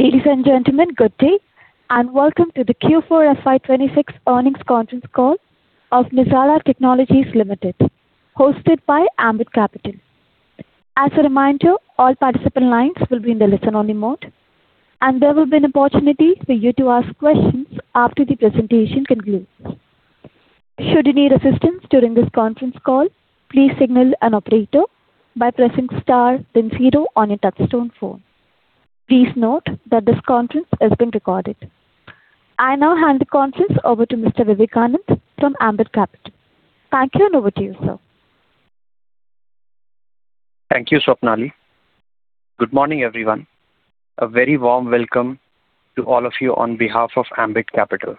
Ladies and gentlemen, good day, welcome to the Q4 FY 2026 Earnings Conference call of Nazara Technologies Limited, hosted by Ambit Capital. As a reminder, all participant lines will be in the listen-only mode, and there will be an opportunity for you to ask questions after the presentation concludes. Should you need assistance during this conference call, please signal an operator by pressing star then zero on your touchtone phone. Please note that this conference is being recorded. I now hand the conference over to Mr. Vivekanand from Ambit Capital. Thank you, and over to you, sir. Thank you, Swapnali. Good morning, everyone. A very warm welcome to all of you on behalf of Ambit Capital.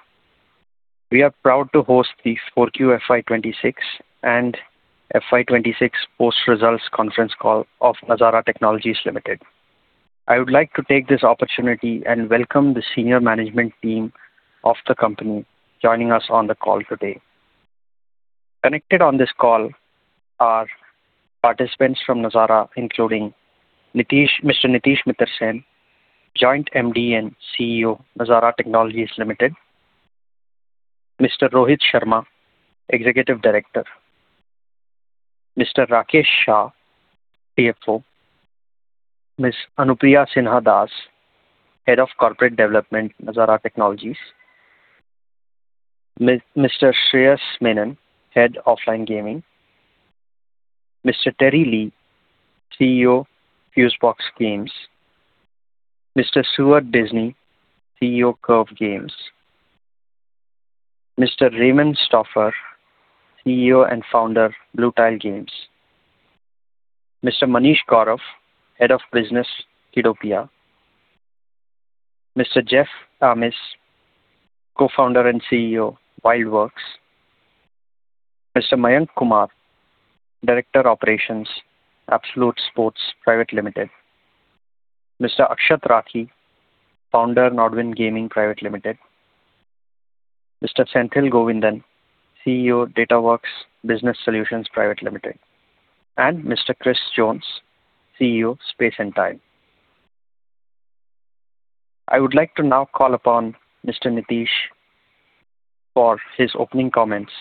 We are proud to host the 4Q FY 2026 and FY 2026 Post-Results Conference Call of Nazara Technologies Limited. I would like to take this opportunity and welcome the senior management team of the company joining us on the call today. Connected on this call are participants from Nazara, including Mr. Nitish Mittersain, Joint MD and CEO, Nazara Technologies Limited. Mr. Rohit Sharma, Executive Director. Mr. Rakesh Shah, CFO. Ms. Anupriya Sinha Das, Head of Corporate Development, Nazara Technologies. Mr. Shreyas Menon, Head, Offline Gaming. Mr. Terry Lee, CEO, Fusebox Games. Mr. Stuart Dinsey, CEO, Curve Games. Mr. Raymond Stauffer, CEO and Founder, Bluetile Games. Mr. Manish Gaurav, Head of Business, Kiddopia. Mr. Jeff Amis, Co-Founder and CEO, WildWorks. Mr. Mayank Kumar, Director, Operations, Absolute Sports Private Limited. Mr. Akshat Rathee, Founder, NODWIN Gaming Private Limited. Mr. Senthil Govindan, CEO, Datawrkz Business Solutions Private Limited, and Mr. Chris Jones, CEO, Space & Time. I would like to now call upon Mr. Nitish for his opening comments.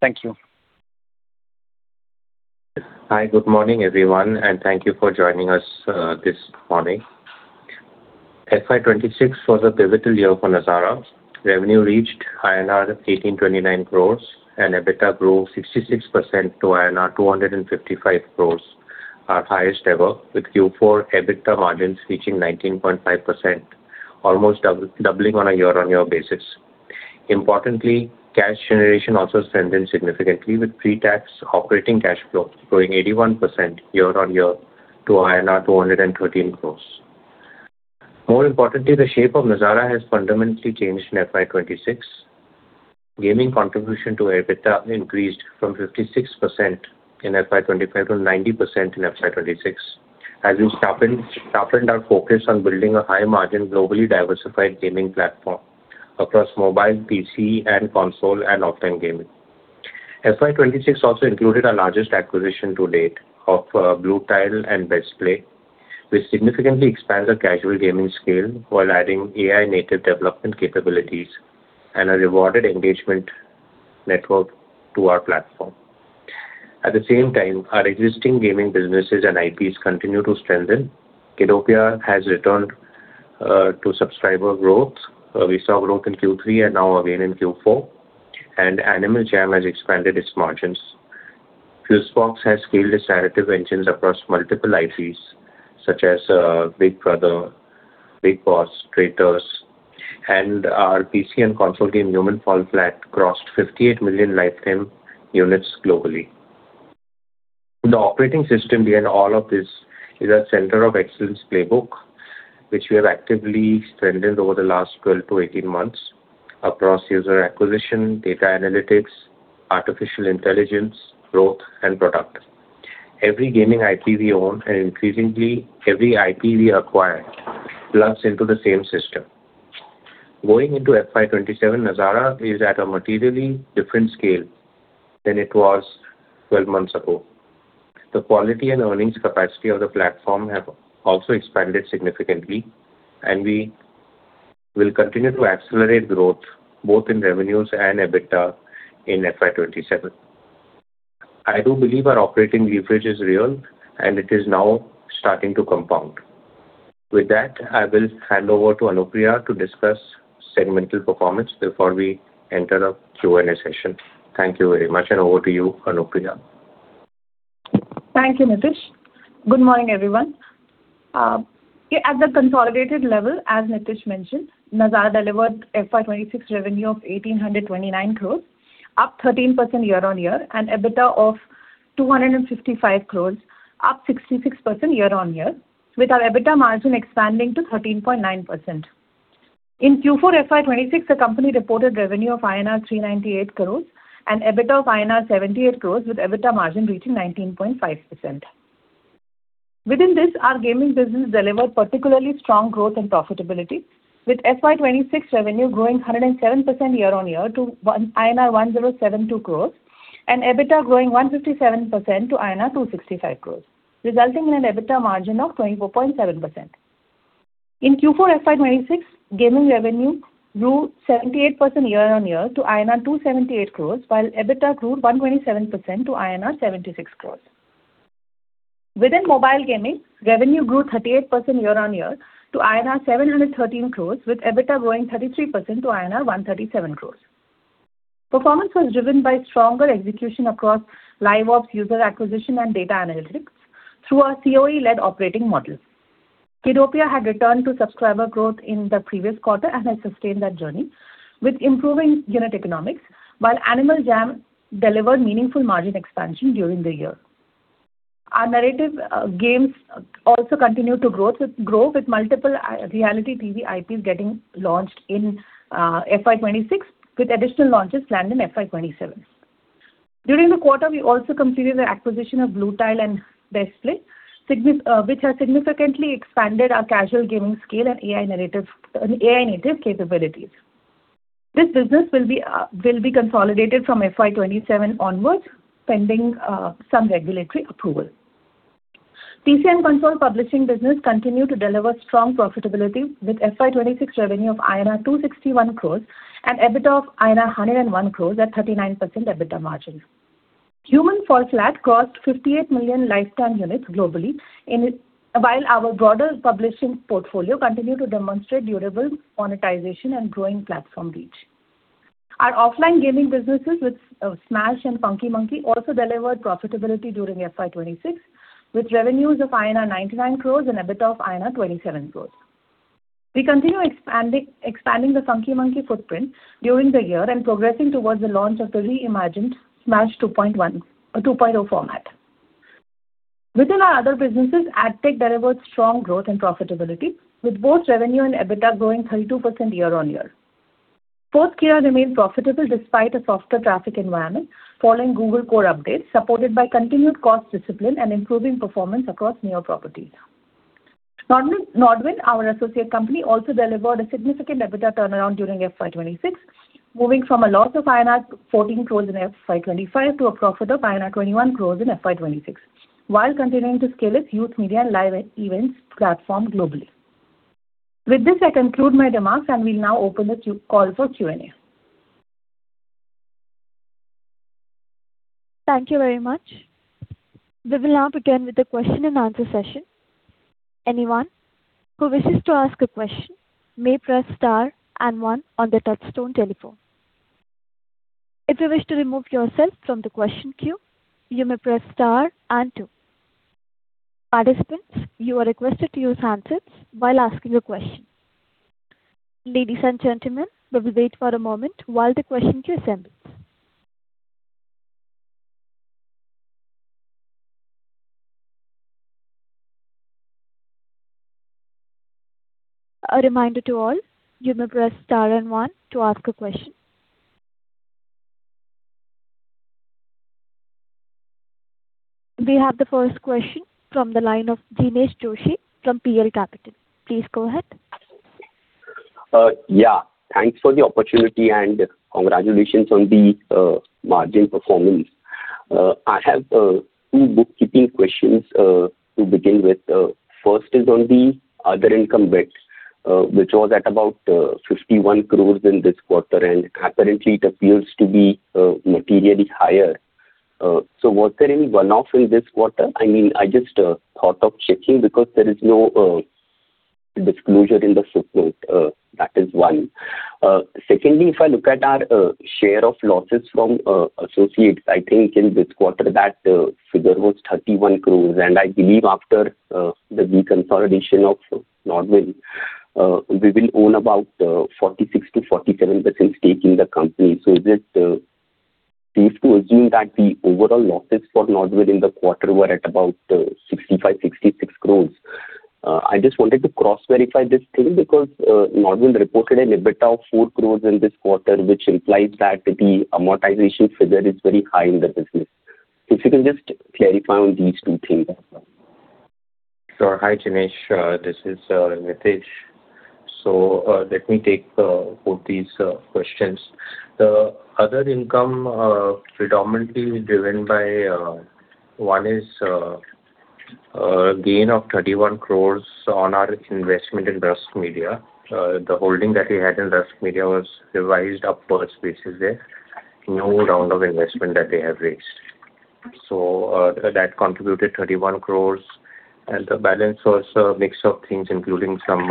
Thank you. Hi, good morning, everyone, and thank you for joining us this morning. FY 2026 was a pivotal year for Nazara. Revenue reached INR 1,829 crore and EBITDA grew 66% to INR 255 crore, our highest ever, with Q4 EBITDA margins reaching 19.5%, almost doubling on a year-over-year basis. Importantly, cash generation also strengthened significantly with pre-tax operating cash flow growing 81% year-over-year to 213 crore. More importantly, the shape of Nazara has fundamentally changed in FY 2026. Gaming contribution to EBITDA increased from 56% in FY 2025 to 90% in FY 2026 as we sharpened our focus on building a high-margin, globally diversified gaming platform across mobile, PC, and console and offline gaming. FY 2026 also included our largest acquisition to date of Bluetile and BestPlay, which significantly expands the casual gaming scale while adding AI-native development capabilities and a rewarded engagement network to our platform. At the same time, our existing gaming businesses and IPs continue to strengthen. Kiddopia has returned to subscriber growth. We saw growth in Q3 and now again in Q4. Animal Jam has expanded its margins. Fusebox has scaled its narrative engines across multiple IPs, such as Big Brother, Bigg Boss, Traitors, and our PC and console game, Human: Fall Flat, crossed 58 million lifetime units globally. The operating system behind all of this is our Center of Excellence playbook, which we have actively strengthened over the last 12-18 months across user acquisition, data analytics, artificial intelligence, growth, and product. Every gaming IP we own, and increasingly every IP we acquire, plugs into the same system. Going into FY 2027, Nazara is at a materially different scale than it was 12 months ago. The quality and earnings capacity of the platform have also expanded significantly, and we will continue to accelerate growth both in revenues and EBITDA in FY 2027. I do believe our operating leverage is real, and it is now starting to compound. With that, I will hand over to Anupriya to discuss segmental performance before we enter our Q&A session. Thank you very much, and over to you, Anupriya. Thank you, Nitish. Good morning, everyone. Yeah, at the consolidated level, as Nitish mentioned, Nazara delivered FY 2026 revenue of 1,829 crore, up 13% year-on-year, and EBITDA of 255 crore, up 66% year-on-year, with our EBITDA margin expanding to 13.9%. In Q4 FY 2026, the company reported revenue of INR 398 crore and EBITDA of INR 78 crore, with EBITDA margin reaching 19.5%. Within this, our gaming business delivered particularly strong growth and profitability, with FY 2026 revenue growing 107% year-on-year to INR 1,072 crores and EBITDA growing 157% to INR 265 crore, resulting in an EBITDA margin of 24.7%. In Q4 FY 2026, gaming revenue grew 78% year-on-year to INR 278 crore, while EBITDA grew 127% to INR 76 crore. Within mobile gaming, revenue grew 38% year-on-year to INR 713 crore, with EBITDA growing 33% to INR 137 crore. Performance was driven by stronger execution across live ops, user acquisition and data analytics through our COE-led operating model. Kiddopia had returned to subscriber growth in the previous quarter and has sustained that journey with improving unit economics, while Animal Jam delivered meaningful margin expansion during the year. Our narrative games also continue to grow with multiple reality TV IPs getting launched in FY 2026, with additional launches planned in FY 2027. During the quarter, we also completed the acquisition of Bluetile and BestPlay, which has significantly expanded our casual gaming scale and AI-native capabilities. This business will be consolidated from FY 2027 onwards, pending some regulatory approval. PC and console publishing business continue to deliver strong profitability, with FY 2026 revenue of INR 261 crore and EBITDA of INR 101 crore at 39% EBITDA margin. Human: Fall Flat crossed 58 million lifetime units globally while our broader publishing portfolio continue to demonstrate durable monetization and growing platform reach. Our offline gaming businesses with Smaaash and Funky Monkey also delivered profitability during FY 2026, with revenues of INR 99 crore and EBITDA of INR 27 crore. We continue expanding the Funky Monkey footprint during the year and progressing towards the launch of the reimagined Smaaash 2.0 format. Within our other businesses, adtech delivered strong growth and profitability, with both revenue and EBITDA growing 32% year-on-year. Sportskeeda remained profitable despite a softer traffic environment following Google core updates, supported by continued cost discipline and improving performance across newer properties. NODWIN, our associate company, also delivered a significant EBITDA turnaround during FY 2026, moving from a loss of INR 14 crore in FY 2025 to a profit of INR 21 crore in FY 2026, while continuing to scale its youth media and live e-events platform globally. With this, I conclude my remarks, and we'll now open the call for Q&A. Thank you very much. We will now begin with the question and answer session. Anyone who wishes to ask a question may press star and one on their touchstone telephone. If you wish to remove yourself from the question queue, you may press star and two. Participants, you are requested to use handsets while asking a question. Ladies and gentlemen, we will wait for a moment while the question queue assembles. A reminder to all, you may press star and one to ask a question. We have the first question from the line of Jinesh Joshi from PL Capital. Please go ahead. Yeah. Thanks for the opportunity and congratulations on the margin performance. I have two bookkeeping questions to begin with. First is on the other income bits, which was at about 51 crore in this quarter, and apparently it appears to be materially higher. Was there any one-off in this quarter? I mean, I just thought of checking because there is no disclosure in the footnote. That is one. Secondly, if I look at our share of losses from associates, I think in this quarter that figure was 31 crore, and I believe after the deconsolidation of NODWIN, we will own about 46%-47% stake in the company. Is it safe to assume that the overall losses for NODWIN in the quarter were at about 65-66 crores? I just wanted to cross-verify this thing because NODWIN reported an EBITDA of 4 crore in this quarter, which implies that the amortization figure is very high in the business. If you can just clarify on these two things. Sure. Hi, Jinesh. This is Nitish. Let me take both these questions. The other income predominantly driven by a gain of 31 crore on our investment in Rusk Media. The holding that we had in Rusk Media was revised upwards, which is no round of investment that they have raised. That contributed 31 crore, and the balance was a mix of things, including some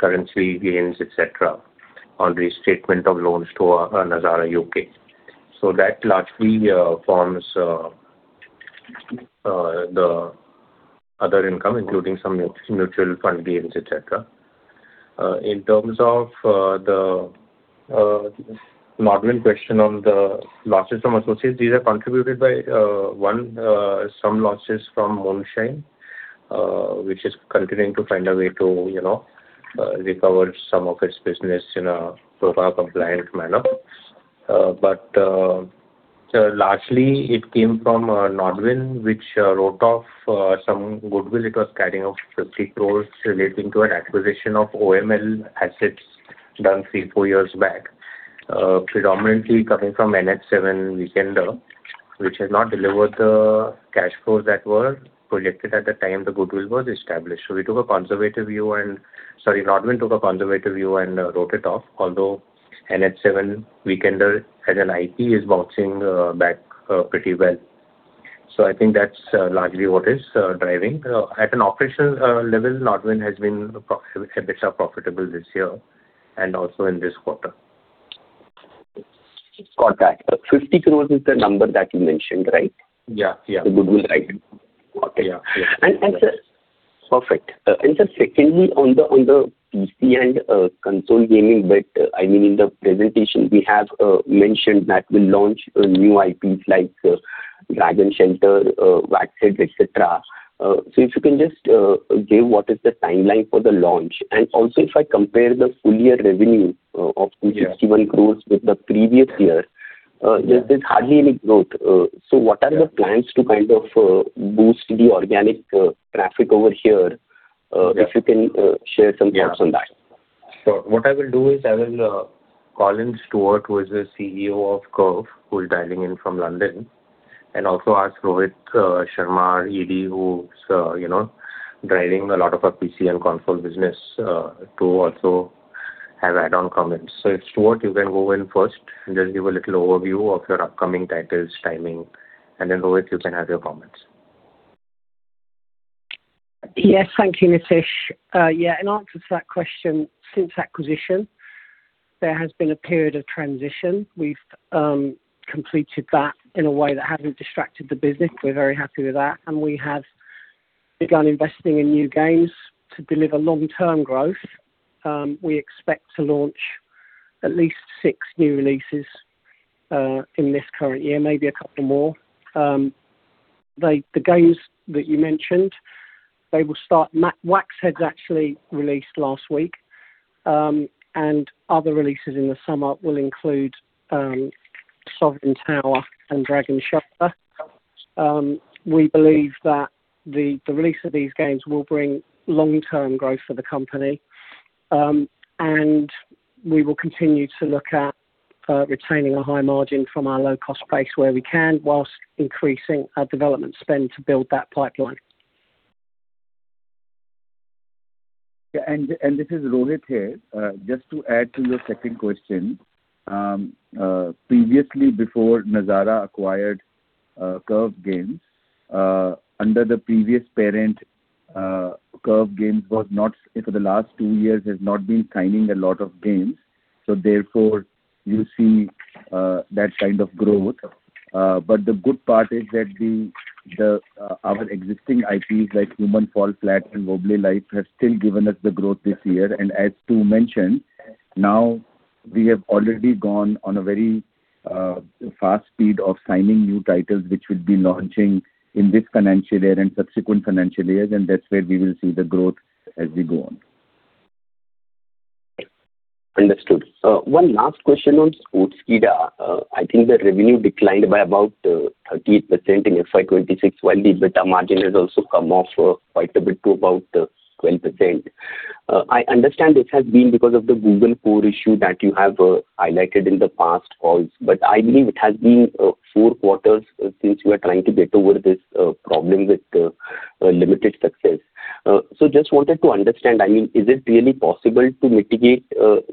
currency gains, et cetera, on restatement of loans to our Nazara UK. That largely forms the other income, including some mutual fund gains, et cetera. In terms of the NODWIN question on the losses from associates, these are contributed by one, some losses from Moonshine, which is continuing to find a way to, you know, recover some of its business in a SOFA-compliant manner. But largely it came from NODWIN, which wrote off some goodwill it was carrying of 50 crore relating to an acquisition of OML assets done three, four years back, predominantly coming from NH7 Weekender, which has not delivered the cash flows that were projected at the time the goodwill was established. We took a conservative view and sorry, NODWIN took a conservative view and wrote it off, although NH7 Weekender as an IP is bouncing back pretty well. I think that's largely what is driving. At an operational level, NODWIN has been EBITDA profitable this year and also in this quarter. Got that. 50 crore is the number that you mentioned, right? Yeah, yeah. The goodwill write-down. Okay. Yeah. Sir. Perfect. Sir, secondly, on the PC and console gaming bit, I mean, in the presentation we have mentioned that we'll launch new IPs like Dragon Shelter, Wax Heads, et cetera. If you can just give what is the timeline for the launch. Also, if I compare the full year revenue, Yeah of INR 261 crore with the previous year. Yeah There's hardly any growth. What are the plans to kind of boost the organic traffic over here? If you can share some thoughts on that? Sure. What I will do is I will call in Stuart, who is the CEO of Curve, who is dialing in from London, and also ask Rohit Sharma, our ED, who's, you know, driving a lot of our PC and console business, to also have add-on comments. Stuart, you can go in first and just give a little overview of your upcoming titles, timing, and then, Rohit, you can have your comments. Yes. Thank you, Nitish. In answer to that question, since acquisition, there has been a period of transition. We've completed that in a way that hasn't distracted the business. We're very happy with that. We have begun investing in new games to deliver long-term growth. We expect to launch at least six new releases in this current year, maybe a couple more. The games that you mentioned, they will start Wax Heads actually released last week. Other releases in the summer will include Sovereign Tower and Dragon Shelter. We believe that the release of these games will bring long-term growth for the company. We will continue to look at retaining a high margin from our low-cost base where we can, whilst increasing our development spend to build that pipeline. This is Rohit here. Just to add to your second question, previously, before Nazara acquired Curve Games, under the previous parent, Curve Games was not, for the last two years, has not been signing a lot of games. Therefore you see that kind of growth. But the good part is that our existing IPs like Human: Fall Flat and Wobbly Life have still given us the growth this year. As Stu mentioned, now we have already gone on a very fast speed of signing new titles, which will be launching in this financial year and subsequent financial years, and that's where we will see the growth as we go on. Understood. One last question on Sportskeeda. I think the revenue declined by about 30% in FY 2026, while the EBITDA margin has also come off quite a bit to about 12%. I understand this has been because of the Google core updates issue that you have highlighted in the past calls, but I believe it has been four quarters since you are trying to get over this problem with limited success. Just wanted to understand, I mean, is it really possible to mitigate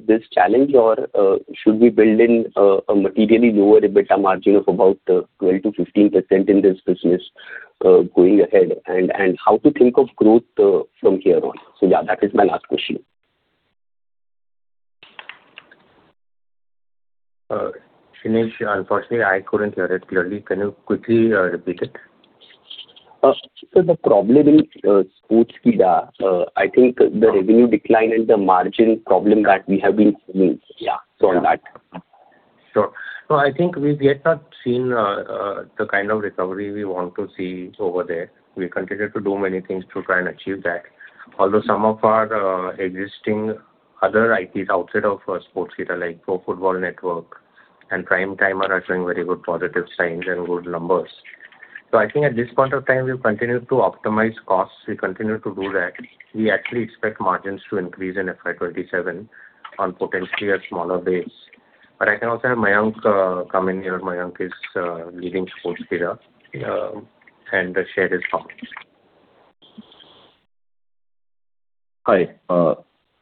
this challenge? Or should we build in a materially lower EBITDA margin of about 12%-15% in this business going ahead? How to think of growth from here on? Yeah, that is my last question. Jinesh, unfortunately, I couldn't hear it clearly. Can you quickly repeat it? The problem in Sportskeeda, I think the revenue decline and the margin problem that we have been seeing. Yeah. On that. Sure. No, I think we've yet not seen the kind of recovery we want to see over there. We continue to do many things to try and achieve that. Some of our existing other IPs outside of Sportskeeda, like Pro Football Network and Primetimer, are showing very good positive signs and good numbers. I think at this point of time, we'll continue to optimize costs. We continue to do that. We actually expect margins to increase in FY 2027 on potentially a smaller base. I can also have Mayank come in here. Mayank is leading Sportskeeda and share his comments. Hi.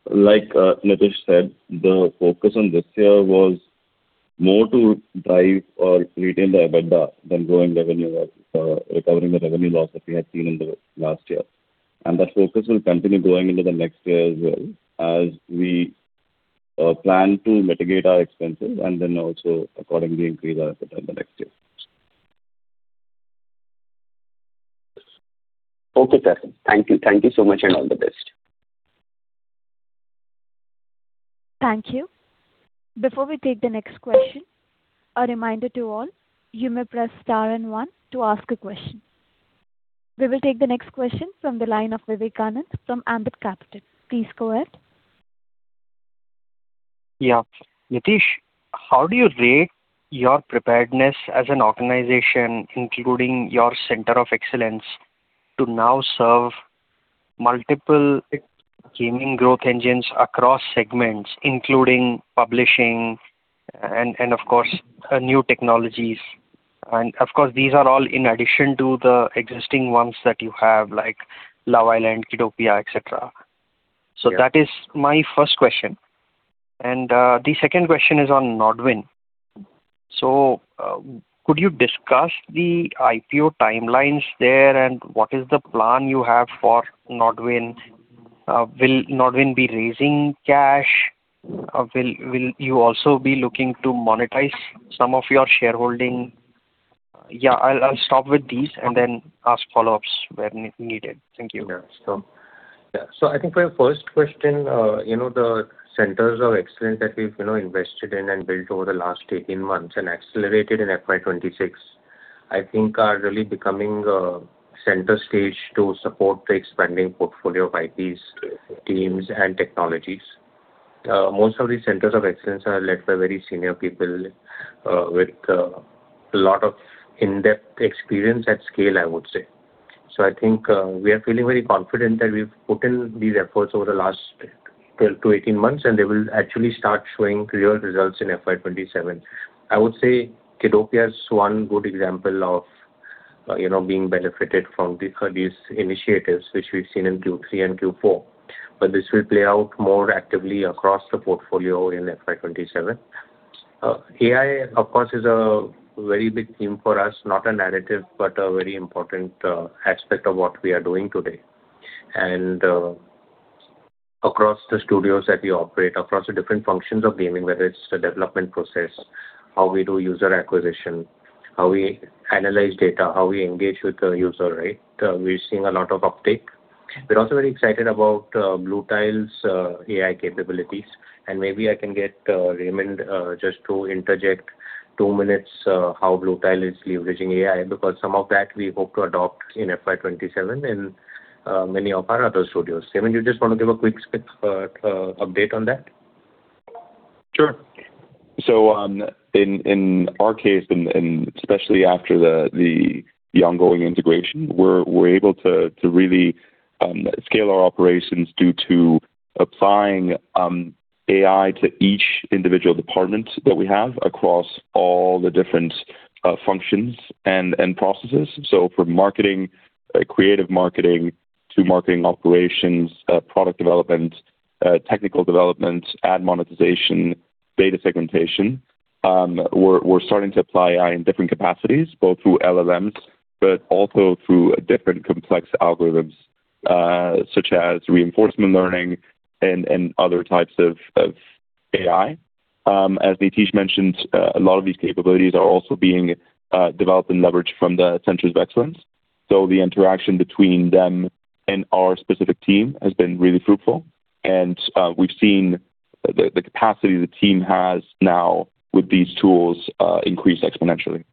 Like Nitish said, the focus on this year was more to drive or retain the EBITDA than growing revenue or recovering the revenue loss that we had seen in the last year. That focus will continue going into the next year as well as we plan to mitigate our expenses and then also accordingly increase our EBITDA in the next year. Okay, sir. Thank you. Thank you so much and all the best. Thank you. Before we take the next question, a reminder to all, you may press star and one to ask a question. We will take the next question from the line of Vivekanand from Ambit Capital. Please go ahead. Yeah. Nitish, how do you rate your preparedness as an organization, including your Center of Excellence to now serve multiple gaming growth engines across segments, including publishing and, of course, new technologies? Of course, these are all in addition to the existing ones that you have, like Love Island, Kiddopia, et cetera. Yeah. That is my first question. The second question is on NODWIN. Could you discuss the IPO timelines there, and what is the plan you have for NODWIN? Will NODWIN be raising cash? Will you also be looking to monetize some of your shareholding? Yeah, I'll stop with these and then ask follow-ups where needed. Thank you. Yeah. I think for your first question, you know, the Centers of Excellence that we've, you know, invested in and built over the last 18 months and accelerated in FY 2026, I think are really becoming a center stage to support the expanding portfolio of IPs, teams, and technologies. Most of these Centers of Excellence are led by very senior people, with a lot of in-depth experience at scale, I would say. I think we are feeling very confident that we've put in these efforts over the last 12-18 months, and they will actually start showing clear results in FY 2027. I would say Kiddopia is one good example of, you know, being benefited from these initiatives, which we've seen in Q3 and Q4. This will play out more actively across the portfolio in FY 2027. AI, of course, is a very big theme for us, not a narrative, but a very important aspect of what we are doing today. Across the studios that we operate, across the different functions of gaming, whether it's the development process, how we do user acquisition, how we analyze data, how we engage with the user, right? We're seeing a lot of uptake. We're also very excited about Bluetile's AI capabilities, maybe I can get Raymond just to interject two minutes, how Bluetile is leveraging AI, because some of that we hope to adopt in FY 2027 in many of our other studios. Raymond, you just want to give a quick update on that? Sure. In our case and especially after the ongoing integration, we're able to really scale our operations due to applying AI to each individual department that we have across all the different functions and processes. From marketing, creative marketing to marketing operations, product development, technical development, ad monetization, data segmentation, we're starting to apply AI in different capacities, both through LLMs but also through different complex algorithms, such as reinforcement learning and other types of AI. As Nitish mentioned, a lot of these capabilities are also being developed and leveraged from the Centers of Excellence. The interaction between them and our specific team has been really fruitful. We've seen the capacity the team has now with these tools, increase exponentially.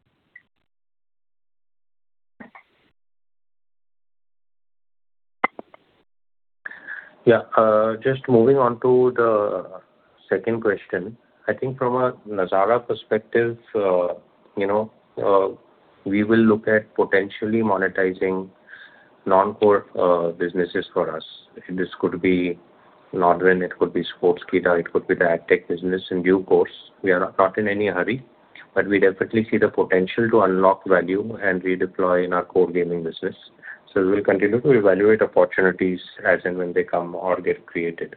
Yeah. Just moving on to the second question. I think from a Nazara perspective, you know, we will look at potentially monetizing non-core businesses for us. This could be NODWIN, it could be Sportskeeda, it could be the AdTech business in due course. We are not in any hurry, but we definitely see the potential to unlock value and redeploy in our core gaming business. We'll continue to evaluate opportunities as and when they come or get created.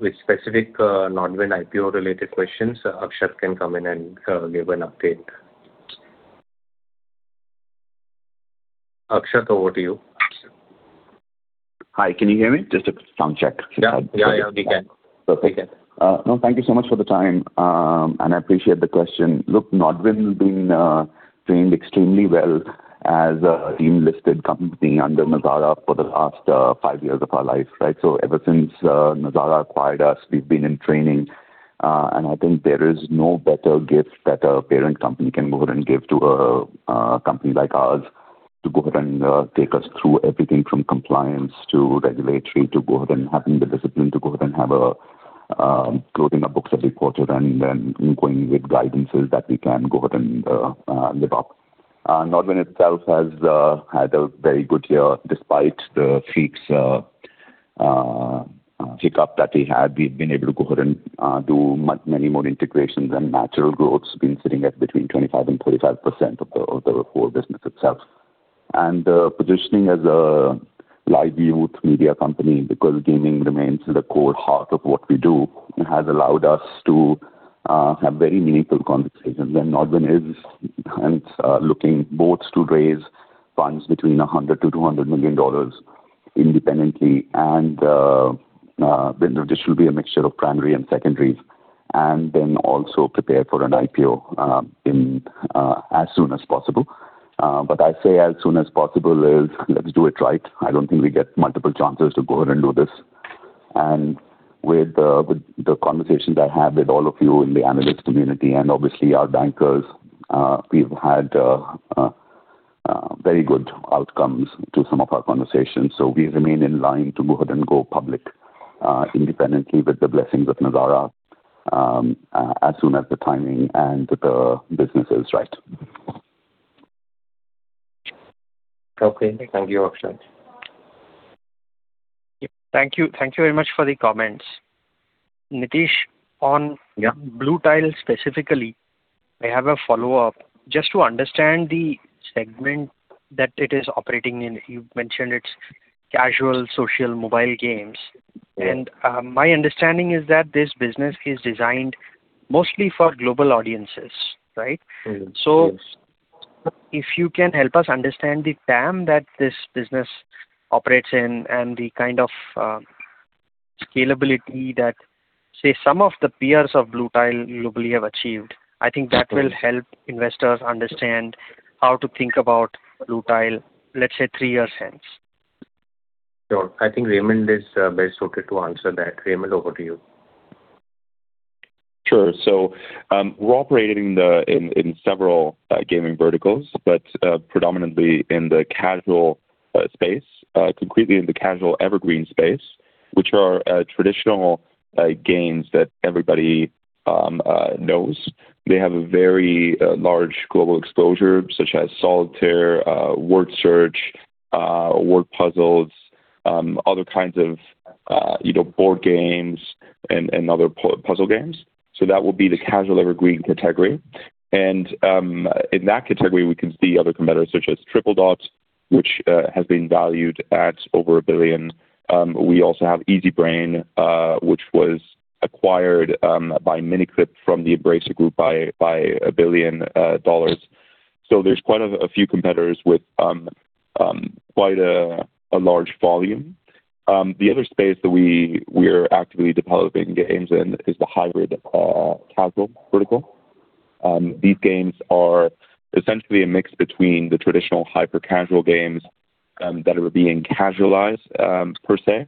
With specific NODWIN IPO-related questions, Akshat can come in and give an update. Akshat, over to you. Hi, can you hear me? Just a sound check. Yeah. Yeah. Yeah, we can. Perfect. We can. No, thank you so much for the time. I appreciate the question. Look, NODWIN has been trained extremely well as a team-listed company under Nazara for the last five years of our life, right? Ever since Nazara acquired us, we've been in training. I think there is no better gift that a parent company can go ahead and give to a company like ours to go ahead and take us through everything from compliance to regulatory, to go ahead and having the discipline to go ahead and have a closing our books every quarter and then going with guidances that we can go ahead and live up. NODWIN itself has had a very good year despite the Freaks hiccup that we had. We've been able to go ahead and do many more integrations and natural growth's been sitting at between 25% and 35% of the core business itself. Positioning as a live-view media company, because gaming remains the core heart of what we do, it has allowed us to have very meaningful conversations. NODWIN is, hence, looking both to raise funds between $100 million-$200 million independently and then there just should be a mixture of primary and secondaries, and then also prepare for an IPO as soon as possible. But I say as soon as possible is let's do it right. I don't think we get multiple chances to go ahead and do this. With the conversations I have with all of you in the analyst community and obviously our bankers, we've had very good outcomes to some of our conversations. We remain in line to go ahead and go public independently with the blessings of Nazara, as soon as the timing and the business is right. Okay. Thank you, Akshat. Thank you. Thank you very much for the comments. Nitish. Yeah. On Bluetile specifically, I have a follow-up. Just to understand the segment that it is operating in. You've mentioned it's casual social mobile games. Yeah. My understanding is that this business is designed mostly for global audiences, right? Mm-hmm. Yes. If you can help us understand the TAM that this business operates in and the kind of scalability that, say, some of the peers of Bluetile globally have achieved. I think that will help investors understand how to think about Bluetile, let's say, three years hence. Sure. I think Raymond is best suited to answer that. Raymond, over to you. Sure. We're operating in several gaming verticals, but predominantly in the casual space, completely in the casual evergreen space, which are traditional games that everybody knows. They have a very large global exposure, such as solitaire, word search, word puzzles, other kinds of, you know, board games and other puzzle games. That will be the casual evergreen category. In that category, we can see other competitors such as Tripledot, which has been valued at over $1 billion. We also have Easybrain, which was acquired by Miniclip from the Embracer Group by $1 billion. There's quite a few competitors with quite a large volume. The other space that we are actively developing games in is the hybrid casual vertical. These games are essentially a mix between the traditional hyper-casual games that are being casualized per se.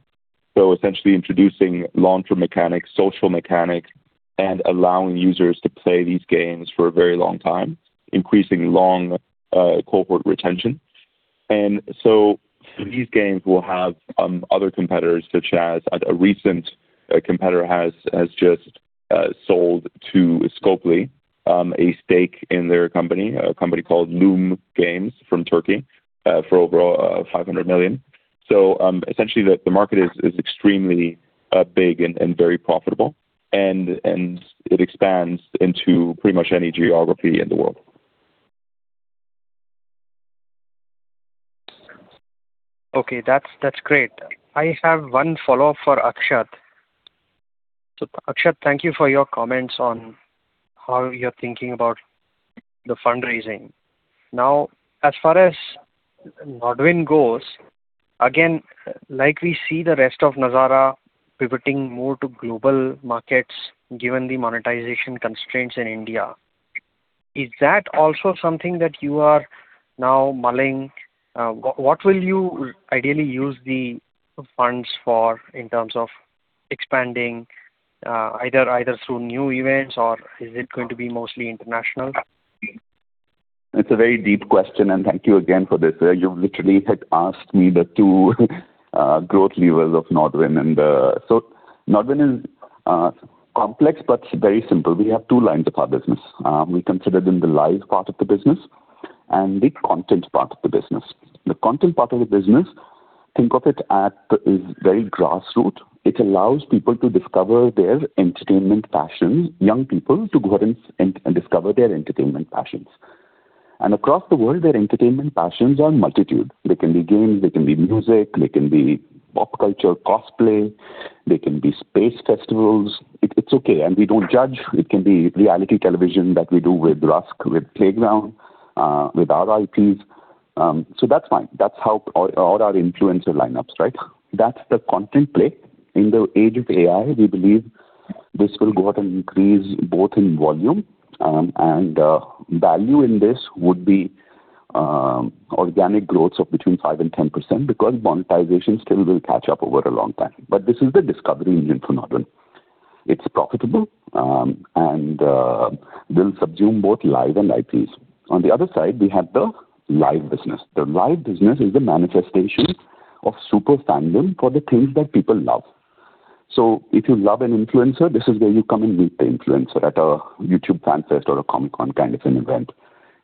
Essentially introducing longer mechanics, social mechanics, and allowing users to play these games for a very long time, increasing long cohort retention. These games will have other competitors, such as a recent competitor has just sold to Scopely a stake in their company, a company called Loom Games from Turkey, for over 500 million. Essentially the market is extremely big and very profitable and it expands into pretty much any geography in the world. Okay. That's, that's great. I have one follow-up for Akshat. Akshat, thank you for your comments on how you're thinking about the fundraising. As far as NODWIN goes, again, like we see the rest of Nazara pivoting more to global markets given the monetization constraints in India. Is that also something that you are now mulling? What will you ideally use the funds for in terms of expanding, either through new events or is it going to be mostly international? It's a very deep question, and thank you again for this. You literally had asked me the two growth levers of NODWIN. NODWIN is complex but very simple. We have two lines of our business. We consider them the live part of the business and the content part of the business. The content part of the business, think of it as very grassroot. It allows people to discover their entertainment passions, young people to go out and discover their entertainment passions. Across the world, their entertainment passions are multitude. They can be games, they can be music, they can be pop culture, cosplay, they can be space festivals. It's okay, and we don't judge. It can be reality television that we do with Rusk, with [Playground], with our IPs. That's fine. That's how all our influencer lineups, right? That's the content play. In the age of AI, we believe this will go out and increase both in volume and value. This would be organic growth of between 5% and 10% because monetization still will catch up over a long time. This is the discovery engine for NODWIN. It's profitable and will subsume both live and IPs. On the other side, we have the live business. The live business is the manifestation of super fandom for the things that people love. If you love an influencer, this is where you come and meet the influencer at a YouTube fan fest or a Com-Con kind of an event.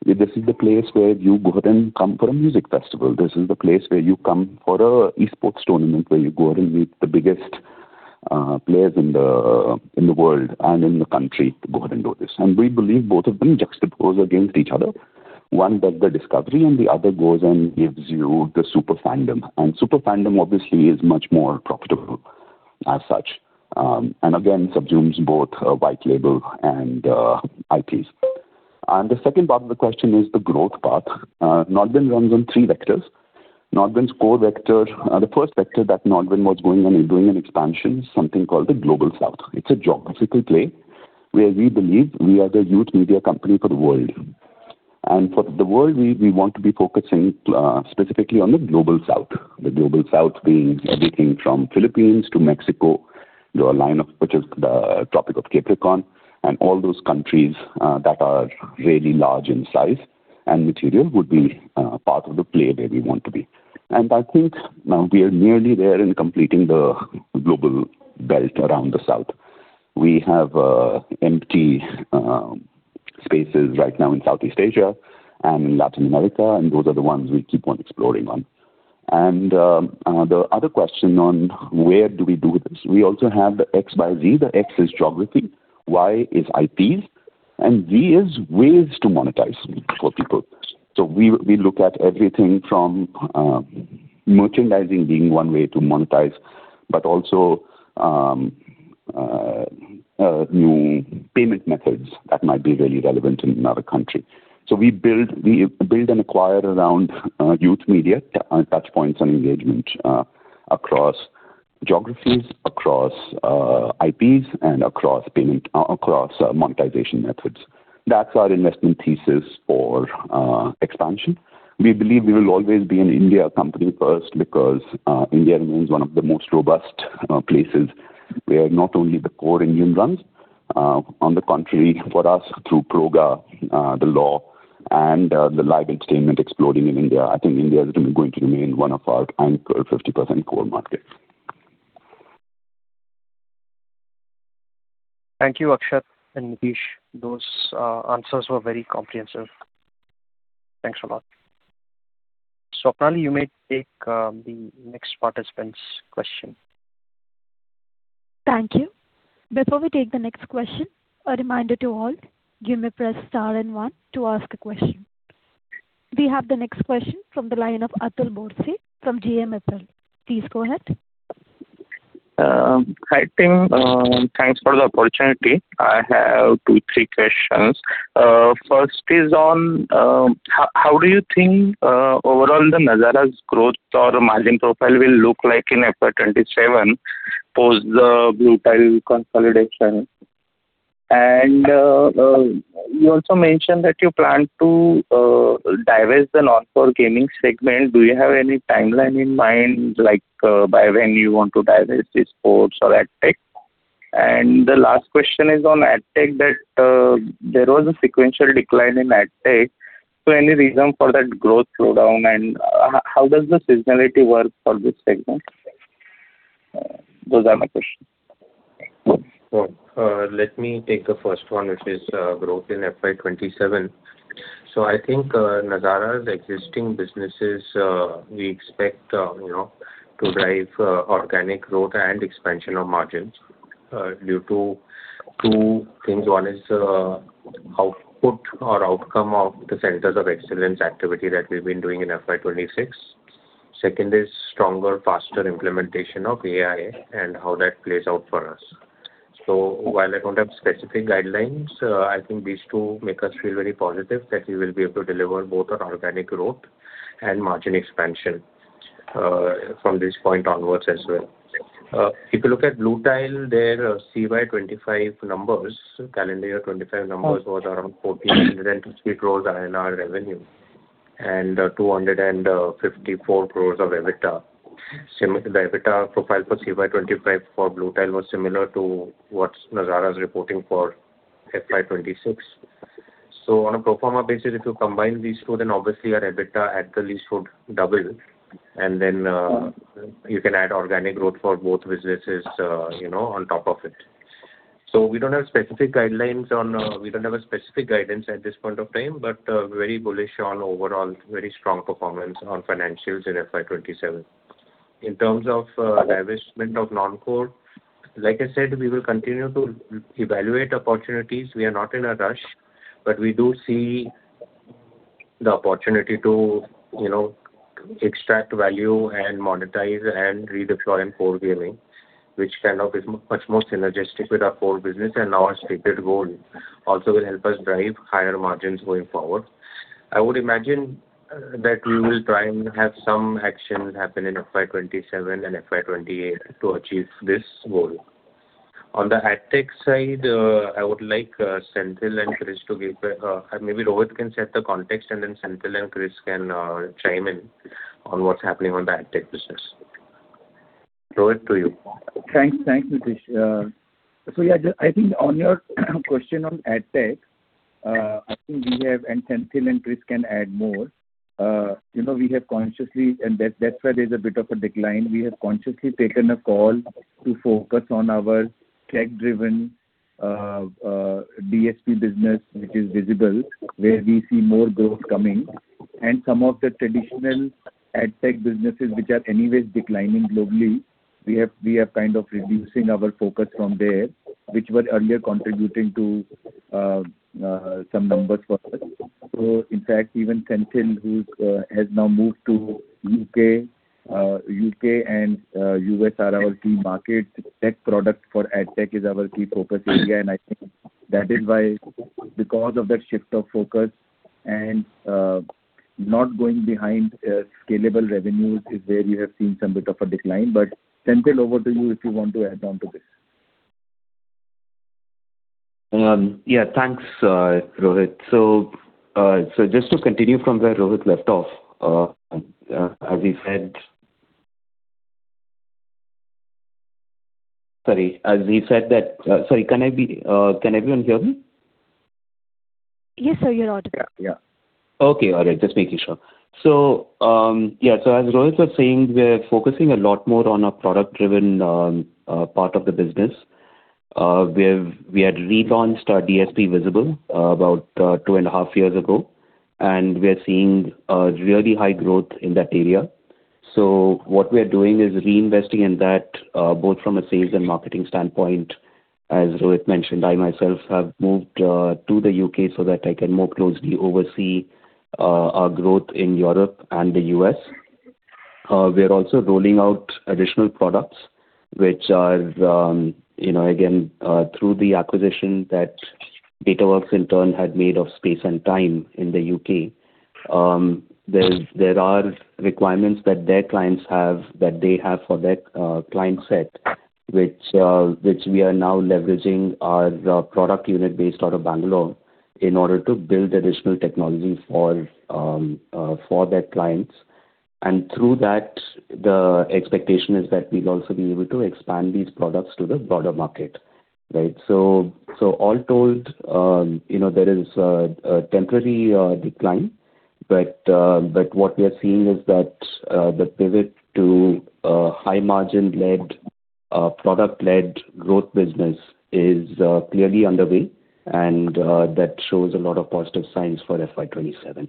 This is the place where you go out and come for a music festival. This is the place where you come for a esports tournament, where you go out and meet the biggest players in the world and in the country to go out and do this. We believe both of them juxtapose against each other. One does the discovery, and the other goes and gives you the super fandom. Super fandom obviously is much more profitable as such. Again, subsumes both white label and IPs. The second part of the question is the growth path. NODWIN runs on three vectors. The first vector that NODWIN was going on in doing an expansion is something called the Global South. It's a geographical play where we believe we are the youth media company for the world. For the world, we want to be focusing specifically on the Global South. The Global South being everything from Philippines to Mexico. Which is the Tropic of Capricorn and all those countries that are really large in size and material would be part of the play where we want to be. I think now we are nearly there in completing the global belt around the south. We have empty spaces right now in Southeast Asia and Latin America, and those are the ones we keep on exploring on. The other question on where do we do this? We also have the X, Y, Z. The X is geography, Y is IPs, and Z is ways to monetize for people. We look at everything from merchandising being one way to monetize, but also new payment methods that might be really relevant in another country. We build and acquire around youth media touch points and engagement across geographies, across IPs and across monetization methods. That's our investment thesis for expansion. We believe we will always be an India company first because India remains one of the most robust places where not only the core Indian runs, on the contrary, for us through PROGA, the law and the live entertainment exploding in India, I think India is going to remain one of our anchor 50% core markets. Thank you, Akshat and Nitish. Those answers were very comprehensive. Thanks a lot. Swapnali, you may take the next participant's question. Thank you. Before we take the next question, a reminder to all, you may press star and one to ask a question. We have the next question from the line of Atul Borse from JMFL. Please go ahead. Hi, team. Thanks for the opportunity. I have two, three questions. First is on how do you think overall the Nazara's growth or margin profile will look like in FY 2027 post the Bluetile consolidation? You also mentioned that you plan to divest the non-core gaming segment. Do you have any timeline in mind, like by when you want to divest esports or adtech? The last question is on adtech that there was a sequential decline in adtech. Any reason for that growth slowdown and how does the seasonality work for this segment? Those are my questions. Well, let me take the first one, which is growth in FY 2027. I think Nazara's existing businesses, we expect, you know, to drive organic growth and expansion of margins due to two things. One is output or outcome of the Center of Excellence activity that we've been doing in FY 2026. Second is stronger, faster implementation of AI and how that plays out for us. While I don't have specific guidelines, I think these two make us feel very positive that we will be able to deliver both on organic growth and margin expansion from this point onwards as well. If you look at Bluetile, their CY 2025 numbers, calendar year 2025 numbers was around 1,402 crore revenue and 254 crore of EBITDA. The EBITDA profile for CY 2025 for Bluetile was similar to what Nazara's reporting for FY 2026. On a pro forma basis, if you combine these two, then obviously our EBITDA at the least would double and then you can add organic growth for both businesses on top of it. We don't have specific guidelines on, we don't have a specific guidance at this point of time, but very bullish on overall very strong performance on financials in FY 2027. In terms of divestment of non-core, like I said, we will continue to evaluate opportunities. We are not in a rush, but we do see the opportunity to, you know, extract value and monetize and redeploy in core gaming, which kind of is much more synergistic with our core business and our stated goal also will help us drive higher margins going forward. I would imagine that we will try and have some action happen in FY 2027 and FY 2028 to achieve this goal. On the adtech side, I would like Senthil and Chris. Maybe Rohit Sharma can set the context and then Senthil and Chris can chime in on what's happening on the adtech business. Rohit, to you. Thanks. Thanks, Nitish. Yeah, I think on your question on adtech, I think we have, and Senthil and Chris can add more. You know, we have consciously, and that's why there's a bit of a decline. We have consciously taken a call to focus on our tech-driven DSP business, which is Vizibl, where we see more growth coming. Some of the traditional adtech businesses which are anyways declining globally, we are kind of reducing our focus from there, which were earlier contributing to some numbers for us. In fact, even Senthil, who has now moved to U.K., U.K. and U.S. are our key markets. Tech product for adtech is our key focus area. I think that is why because of that shift of focus and not going behind scalable revenues is where you have seen some bit of a decline. Senthil, over to you if you want to add on to this. Yeah, thanks, Rohit. Just to continue from where Rohit left off, Sorry, as we said that. Sorry, can I be, can everyone hear me? Yes, sir, you are audible. Yeah. Yeah. Okay. All right. Just making sure. As Rohit was saying, we're focusing a lot more on our product-driven part of the business. We had relaunched our DSP Vizibl about 2.5 years ago, and we are seeing really high growth in that area. What we are doing is reinvesting in that both from a sales and marketing standpoint. As Rohit mentioned, I myself have moved to the U.K. so that I can more closely oversee our growth in Europe and the U.S. We are also rolling out additional products which are, you know, again, through the acquisition that Datawrkz in turn had made of Space & Time in the U.K. There are requirements that their clients have that they have for their client set, which we are now leveraging the product unit based out of Bangalore in order to build additional technology for their clients. Through that, the expectation is that we'll also be able to expand these products to the broader market, right? All told, you know, there is a temporary decline, but what we are seeing is that the pivot to a high margin-led, product-led growth business is clearly underway and that shows a lot of positive signs for FY 2027.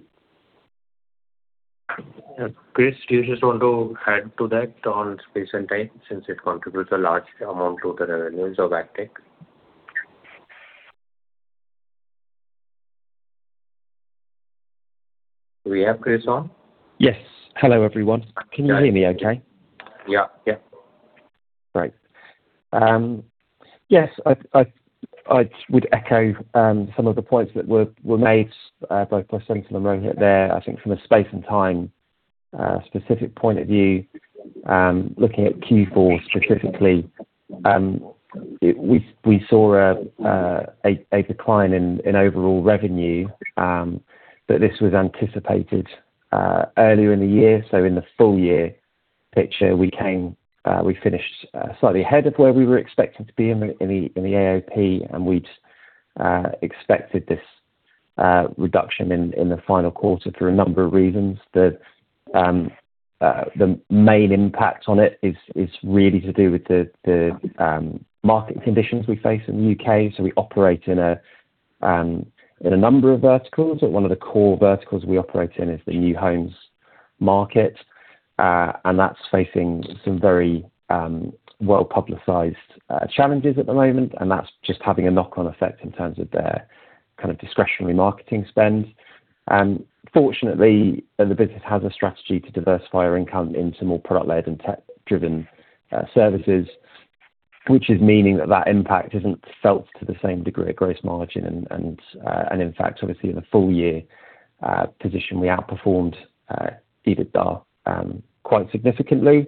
Chris, do you just want to add to that on Space & Time since it contributes a large amount to the revenues of adtech? Do we have Chris on? Yes. Hello, everyone. Can you hear me okay? Yeah. Yeah. Great. Yes, I would echo some of the points that were made both by Senthil and Rohit there. I think from a Space & Time specific point of view, looking at Q4 specifically, we saw a decline in overall revenue, but this was anticipated earlier in the year. In the full year picture, we came, we finished slightly ahead of where we were expected to be in the AOP, and we'd expected this reduction in the final quarter for a number of reasons. The main impact on it is really to do with the market conditions we face in the U.K. We operate in a number of verticals, but one of the core verticals we operate in is the new homes market, and that's facing some very well-publicized challenges at the moment, and that's just having a knock-on effect in terms of their kind of discretionary marketing spend. Fortunately, the business has a strategy to diversify our income into more product-led and tech-driven services, which is meaning that that impact isn't felt to the same degree of gross margin and in fact, obviously in the full year position we outperformed EBITDA quite significantly.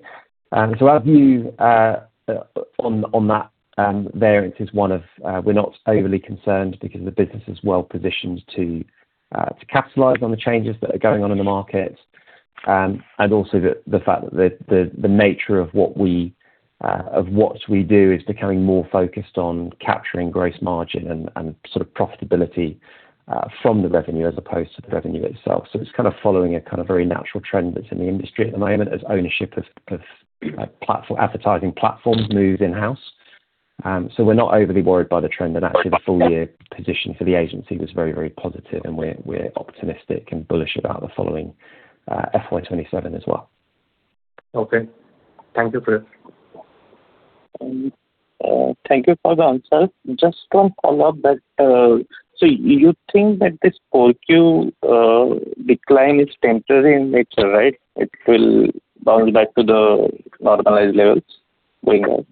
Our view on that variance is one of we're not overly concerned because the business is well positioned to capitalize on the changes that are going on in the market. The fact that the nature of what we do is becoming more focused on capturing gross margin and profitability from the revenue as opposed to the revenue itself. It's kind of following a kind of very natural trend that's in the industry at the moment as ownership of advertising platforms move in-house. We're not overly worried by the trend and actually the full year position for the agency was very, very positive and we're optimistic and bullish about the following FY 2027 as well. Okay. Thank you, Chris. Thank you for the answer. Just one follow-up that you think that this 4Q decline is temporary in nature, right? It will bounce back to the normalized levels going on.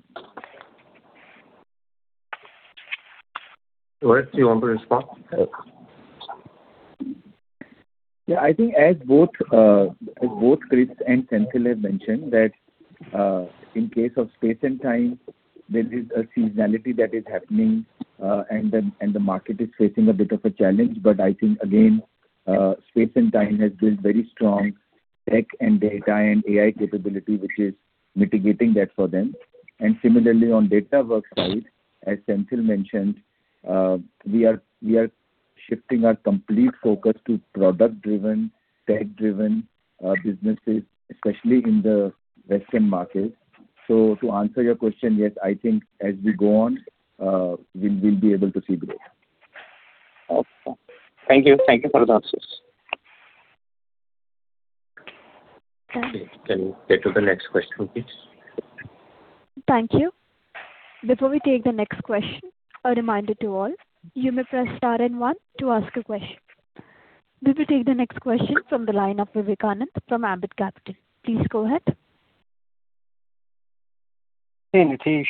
Rohit, do you want to respond? I think as both, as both Chris and Senthil have mentioned that, in case of Space & Time, there is a seasonality that is happening, and the market is facing a bit of a challenge. I think again, Space & Time has built very strong tech and data and AI capability, which is mitigating that for them. Similarly on Datawrkz side, as Senthil mentioned, we are shifting our complete focus to product-driven, tech-driven, businesses, especially in the Western market. To answer your question, yes, I think as we go on, we'll be able to see growth. Okay. Thank you. Thank you for the answers. Thank you. Can we get to the next question, please? Thank you. Before we take the next question, a reminder to all, you may press star and one to ask a question. We will take the next question from the line of Vivekanand from Ambit Capital. Please go ahead. Hey, Nitish.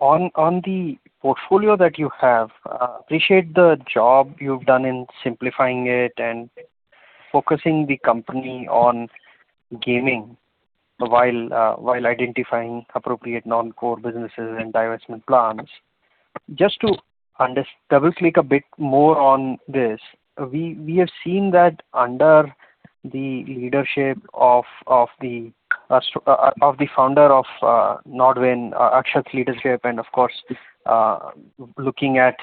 On the portfolio that you have, appreciate the job you've done in simplifying it and focusing the company on gaming while identifying appropriate non-core businesses and divestment plans. Just to double-click a bit more on this, we have seen that under the leadership of the founder of NODWIN, Akshat's leadership and, of course, looking at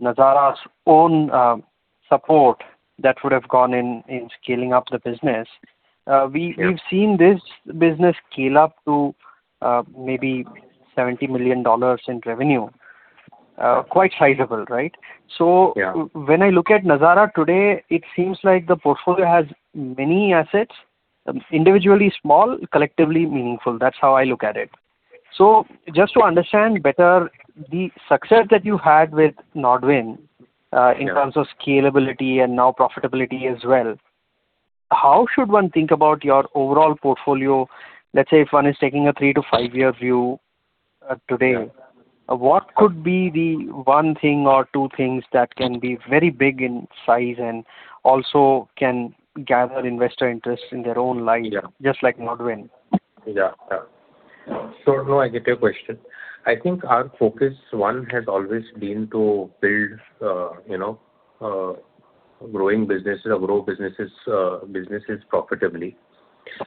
Nazara's own support that would have gone in scaling up the business. Yeah. We've seen this business scale up to, maybe $70 million in revenue. Quite sizable, right? Yeah. When I look at Nazara today, it seems like the portfolio has many assets, individually small, collectively meaningful. That's how I look at it. Just to understand better the success that you had with NODWIN. Yeah. In terms of scalability and now profitability as well, how should one think about your overall portfolio? Let's say if one is taking a three to five-year view, today? Yeah. What could be the one thing or two things that can be very big in size and also can gather investor interest in their own line. Yeah. Just like NODWIN? Yeah. Yeah. Sure, no, I get your question. I think our focus, one, has always been to build, you know, growing businesses or grow businesses profitably.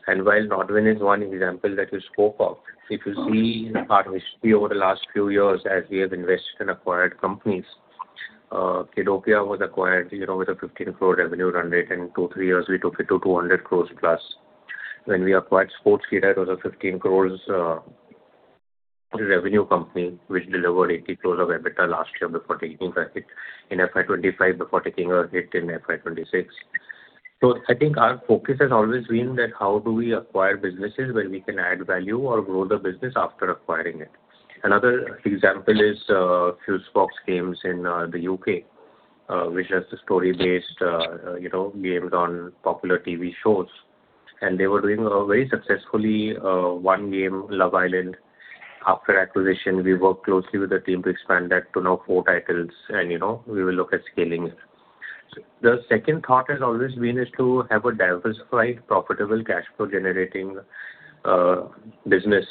While NODWIN is one example that you spoke of, if you see our history over the last few years as we have invested in acquired companies, Kiddopia was acquired, you know, with an 15 crore revenue run rate. In two, three years, we took it to 200+ crore. When we acquired Sportskeeda, it was an 15 crore revenue company which delivered 80 crore of EBITDA last year before taking a hit in FY 2025, before taking a hit in FY 2026. I think our focus has always been that how do we acquire businesses where we can add value or grow the business after acquiring it. Another example is Fusebox Games in the U.K., which does the story-based, you know, games on popular TV shows. They were doing very successfully one game, Love Island. After acquisition, we worked closely with the team to expand that to now four titles and, you know, we will look at scaling it. The second part has always been is to have a diversified, profitable cash flow generating business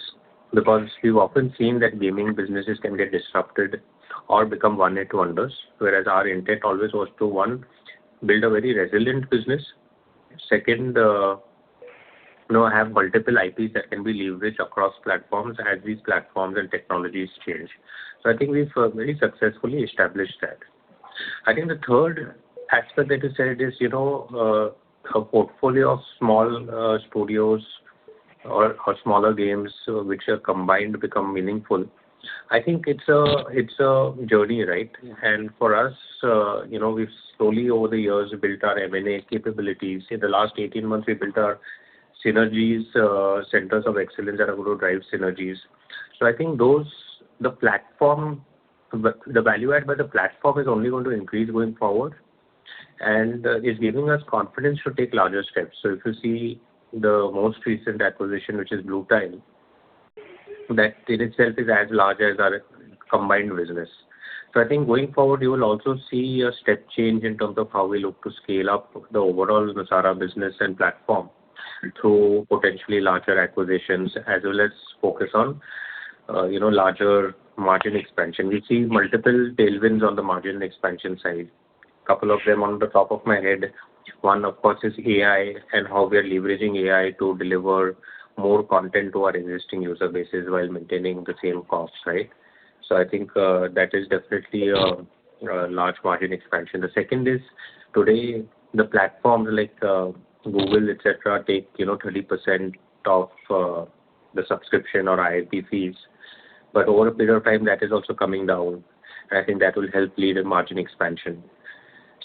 because we've often seen that gaming businesses can get disrupted or become one-hit wonders, whereas our intent always was to, one, build a very resilient business. Second, you know, have multiple IPs that can be leveraged across platforms as these platforms and technologies change. I think we've very successfully established that. I think the third aspect that you said is, you know, a portfolio of small studios or smaller games which have combined become meaningful. I think it's a, it's a journey, right? For us, you know, we've slowly over the years built our M&A capabilities. In the last 18 months, we built our synergies, Centers of Excellence that are going to drive synergies. I think those, the platform, the value add by the platform is only going to increase going forward and is giving us confidence to take larger steps. If you see the most recent acquisition, which is Bluetile, that in itself is as large as our combined business. I think going forward, you will also see a step change in terms of how we look to scale up the overall Nazara business and platform through potentially larger acquisitions, as well as focus on, you know, larger margin expansion. We see multiple tailwinds on the margin expansion side. Couple of them on the top of my head. One, of course, is AI and how we are leveraging AI to deliver more content to our existing user bases while maintaining the same cost, right? I think that is definitely a large margin expansion. The second is today the platforms like Google, et cetera, take, you know, 30% of the subscription or IAP fees, but over a period of time, that is also coming down, and I think that will help lead in margin expansion.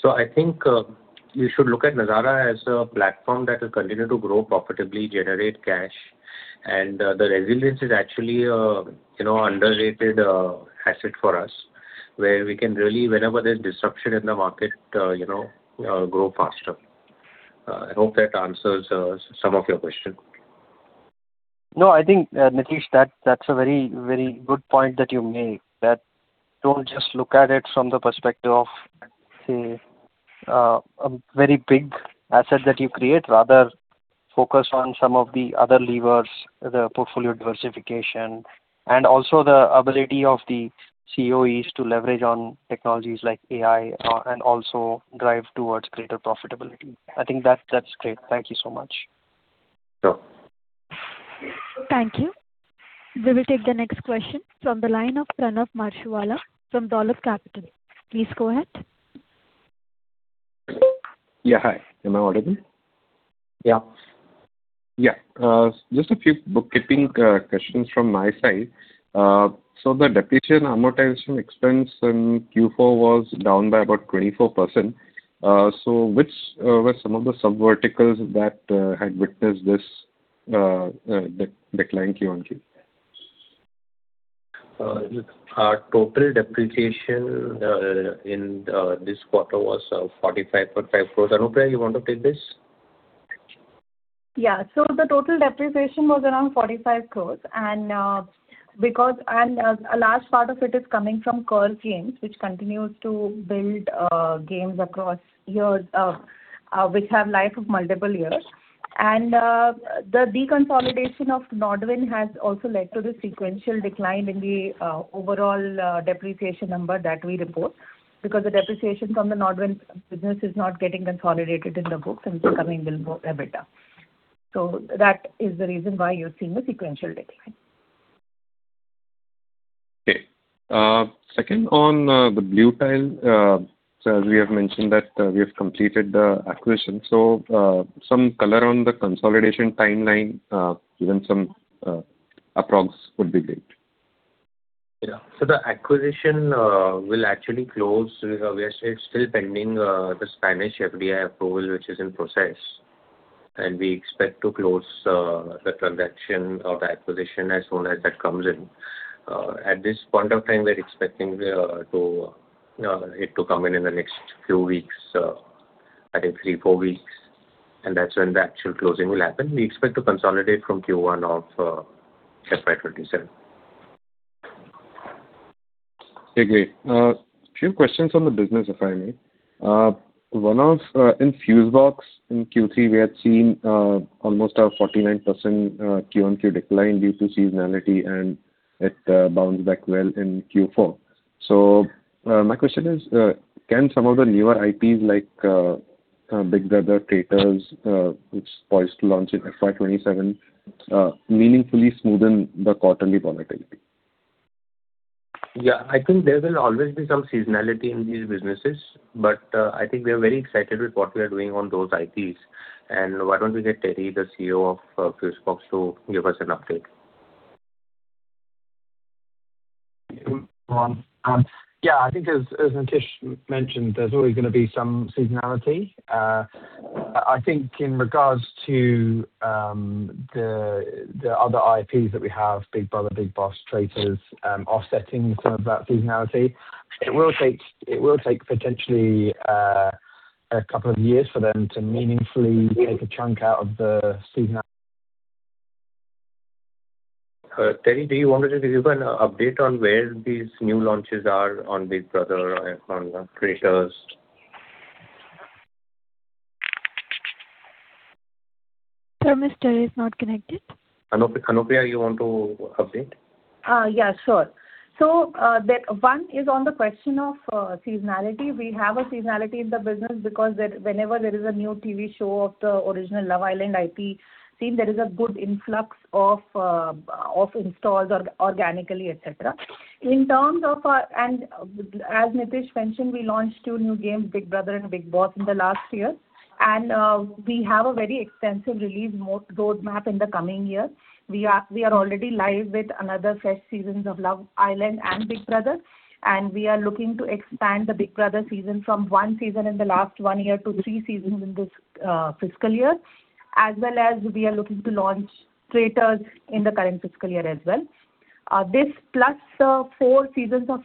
I think, you should look at Nazara as a platform that will continue to grow profitably, generate cash. The resilience is actually a, you know, underrated, asset for us, where we can really, whenever there's disruption in the market, you know, grow faster. I hope that answers, some of your question. I think, Nitish, that's a very good point that you make. Don't just look at it from the perspective of, say, a very big asset that you create. Rather focus on some of the other levers, the portfolio diversification, and also the ability of the COEs to leverage on technologies like AI and also drive towards greater profitability. I think that's great. Thank you so much. Sure. Thank you. We will take the next question from the line of Pranav Mashruwala from Dolat Capital. Please go ahead. Yeah. Hi. Am I audible? Yeah. Yeah. Just a few bookkeeping questions from my side. The depreciation amortization expense in Q4 was down by about 24%. Which were some of the subverticals that had witnessed this decline QoQ? Our total depreciation in this quarter was 45.5 crore. Anupriya, you want to take this? Yeah. The total depreciation was around 45 crore, and a large part of it is coming from Curve Games, which continues to build games across years which have life of multiple years. The deconsolidation of NODWIN has also led to the sequential decline in the overall depreciation number that we report. The depreciation from the NODWIN business is not getting consolidated in the books and it's coming below EBITDA. That is the reason why you're seeing the sequential decline. Okay. Second on, the Bluetile. As we have mentioned that, we have completed the acquisition. Some color on the consolidation timeline, even some, approx would be great. Yeah. The acquisition will actually close. We say it's still pending the Spanish FDI approval, which is in process. We expect to close the transaction or the acquisition as soon as that comes in. At this point of time, we're expecting it to come in in the next few weeks, I think three, four weeks, and that's when the actual closing will happen. We expect to consolidate from Q1 of FY 2027. Okay, great. Few questions on the business, if I may. One of, in Fusebox in Q3, we had seen almost a 49% QoQ decline due to seasonality, and it bounced back well in Q4. My question is, can some of the newer IPs like Big Brother, Traitors, which poised to launch in FY 2027, meaningfully smoothen the quarterly volatility? I think there will always be some seasonality in these businesses, but I think we are very excited with what we are doing on those IPs. Why don't we get Terry Lee, the CEO of Fusebox, to give us an update. Yeah, I think as Nitish mentioned, there's always gonna be some seasonality. I think in regards to the other IPs that we have, Big Brother, Bigg Boss, Traitors, offsetting some of that seasonality, it will take potentially a couple of years for them to meaningfully take a chunk out of the seasona- Terry, do you want to just give an update on where these new launches are on Big Brother and on Traitors? Sir, Mr. is not connected. Anupriya, you want to update? Yeah, sure. The one is on the question of seasonality. We have a seasonality in the business because whenever there is a new TV show of the original Love Island IP scene, there is a good influx of installs organically, et cetera. In terms of, and as Nitish mentioned, we launched two new games, Big Brother and Bigg Boss, in the last year. We have a very extensive release roadmap in the coming year. We are already live with another fresh seasons of Love Island and Big Brother, and we are looking to expand the Big Brother season from one season in the last one year to three seasons in this fiscal year. As well as we are looking to launch Traitors in the current fiscal year as well. This plus three seasons of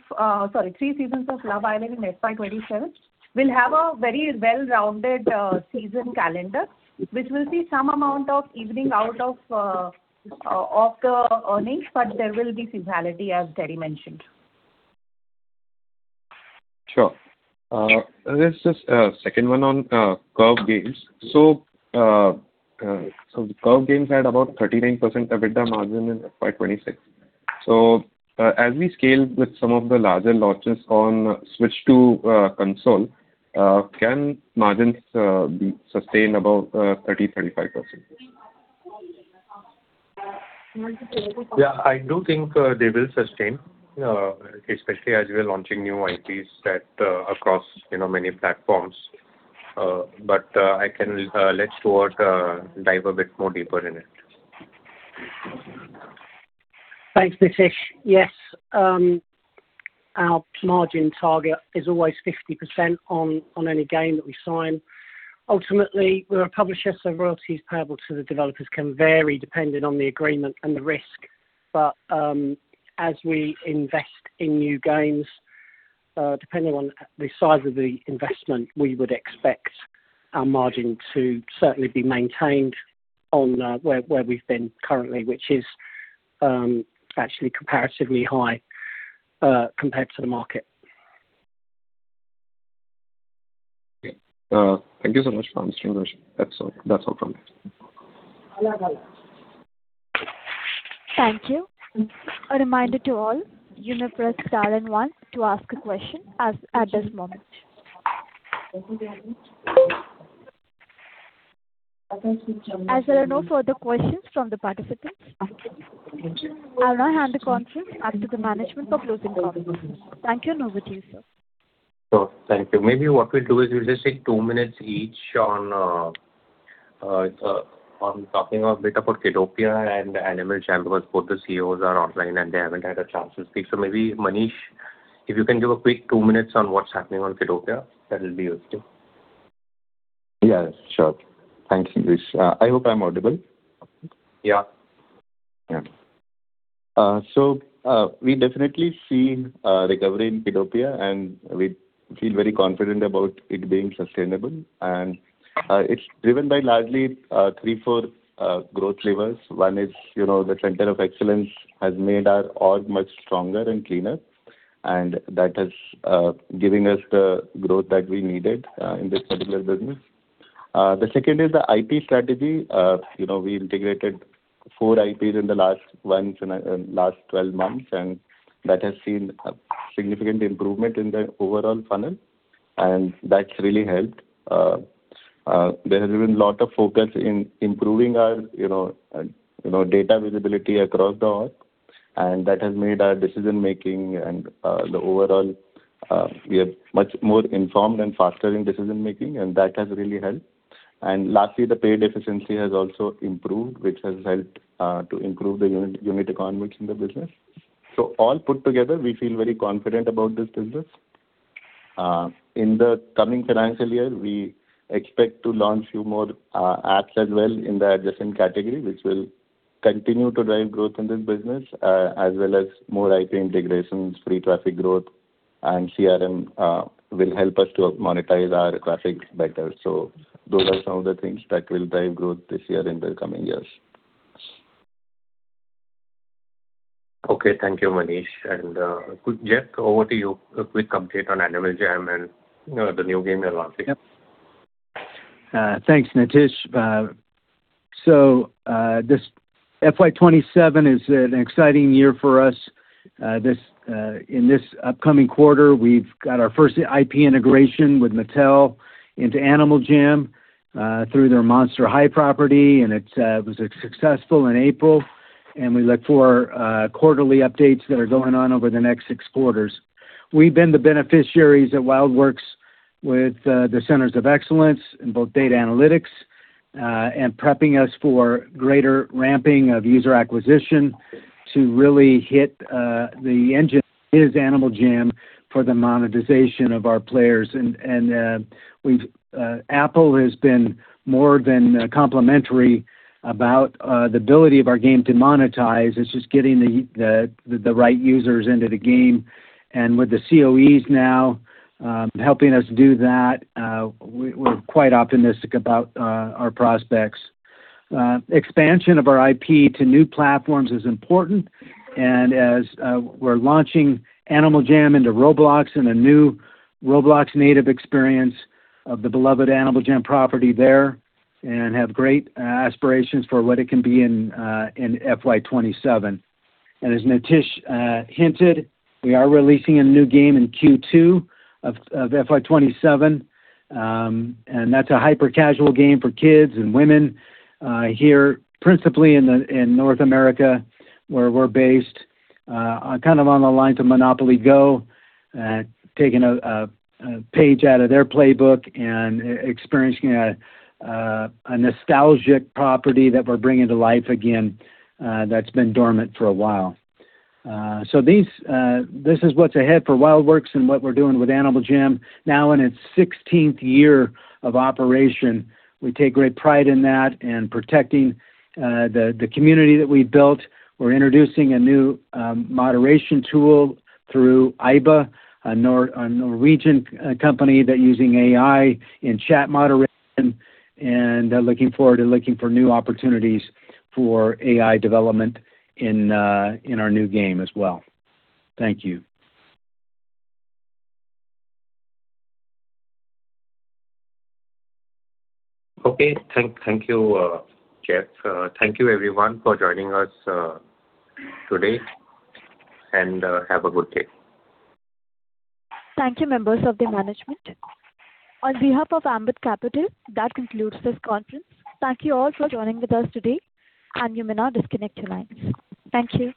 Love Island in FY 2027 will have a very well-rounded season calendar, which will see some amount of evening out of the earnings, but there will be seasonality, as Terry mentioned. Sure. There's just a second one on Curve Games. Curve Games had about 39% EBITDA margin in FY 2026. As we scale with some of the larger launches on Switch 2 console, can margins be sustained above 30%-35%? Multiple- Yeah, I do think they will sustain, especially as we're launching new IPs that across, you know, many platforms. I can let Stuart dive a bit more deeper in it. Thanks, Nitish. Yes, our margin target is always 50% on any game that we sign. Ultimately, we're a publisher, royalties payable to the developers can vary depending on the agreement and the risk. As we invest in new games, depending on the size of the investment, we would expect our margin to certainly be maintained on where we've been currently, which is actually comparatively high compared to the market. Okay. Thank you so much for answering those. That's all from me. Thank you. A reminder to all, you may press star one to ask a question as at this moment. As there are no further questions from the participants, I'll now hand the conference up to the management for closing comments. Thank you and over to you, sir. Thank you. Maybe what we'll do is we'll just take two minutes each on talking a bit about Kiddopia and Animal Jam because both the CEOs are online and they haven't had a chance to speak. Maybe, Manish, if you can give a quick two minutes on what's happening on Kiddopia, that'll be useful. Yes, sure. Thank you, Nitish. I hope I'm audible. Yeah. Yeah. We definitely see a recovery in Kiddopia, and we feel very confident about it being sustainable. It's driven by largely three, four growth levers. One is, you know, the Center of Excellence has made our org much stronger and cleaner, that has given us the growth that we needed in this particular business. The second is the IP strategy. You know, we integrated four IPs in the last 12 months, and that has seen a significant improvement in the overall funnel, and that's really helped. There has been lot of focus in improving our, you know, data visibility across the org, and that has made our decision-making and the overall, we are much more informed and faster in decision-making, and that has really helped. Lastly, the paid efficiency has also improved, which has helped to improve the unit economics in the business. All put together, we feel very confident about this business. In the coming financial year, we expect to launch few more apps as well in the adjacent category, which will continue to drive growth in this business, as well as more IP integrations, free traffic growth, and CRM will help us to monetize our traffic better. Those are some of the things that will drive growth this year and in the coming years. Okay. Thank you, Manish. Quick, Jeff, over to you. A quick update on Animal Jam and, you know, the new game you're launching. Thanks, Nitish. This FY 2027 is an exciting year for us. In this upcoming quarter, we've got our first IP integration with Mattel into Animal Jam through their Monster High property, and it was successful in April. We look for quarterly updates that are going on over the next six quarters. We've been the beneficiaries at WildWorks with the Centers of Excellence in both data analytics and prepping us for greater ramping of user acquisition to really hit the engine is Animal Jam for the monetization of our players. Apple has been more than complimentary about the ability of our game to monetize. It's just getting the right users into the game. With the COEs now helping us do that, we're quite optimistic about our prospects. Expansion of our IP to new platforms is important, as we're launching Animal Jam into Roblox and a new Roblox native experience of the beloved Animal Jam property there and have great aspirations for what it can be in FY 2027. As Nitish hinted, we are releasing a new game in Q2 of FY 2027. That's a hyper-casual game for kids and women, here principally in North America, where we're based. Kind of on the lines of MONOPOLY GO!, taking a page out of their playbook and experiencing a nostalgic property that we're bringing to life again, that's been dormant for a while. This is what's ahead for WildWorks and what we're doing with Animal Jam now in its 16th year of operation. We take great pride in that and protecting the community that we've built. We're introducing a new moderation tool through Aiba, a Norwegian company that using AI in chat moderation and looking forward to looking for new opportunities for AI development in our new game as well. Thank you. Okay. Thank you, Jeff. Thank you everyone for joining us today, and have a good day. Thank you, members of the management. On behalf of Ambit Capital, that concludes this conference. Thank you all for joining with us today, and you may now disconnect your lines. Thank you.